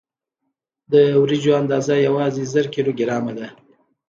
د وریجو اندازه یوازې زر کیلو ګرامه ده.